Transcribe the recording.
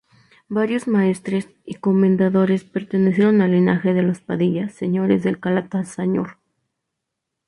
Varios maestres y comendadores pertenecieron al linaje de los Padilla, señores de Calatañazor.